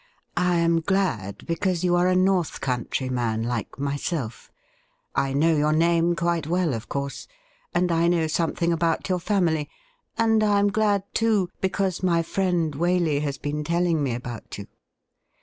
'I am glad because you are a North Country man like SIR FRANCIS ROSE 1S5 myself — I know your name quite well, of course, and I know something about your family — and I am glad, too, because my friend Waley has been telling me about you.'